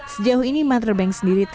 sejauh ini mother bank sendiri telah